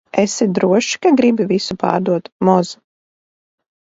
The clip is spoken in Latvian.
Esi drošs, ka gribi visu pārdot, Moz?